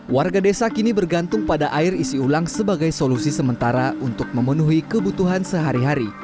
warga desa kini bergantung pada air isi ulang sebagai solusi sementara untuk memenuhi kebutuhan sehari hari